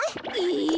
え！